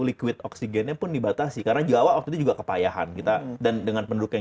liquid oksigennya pun dibatasi karena jawa waktu itu juga kepayahan kita dan dengan penduduk yang